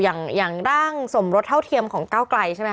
อย่างร่างสมรสเท่าเทียมของก้าวไกลใช่ไหมค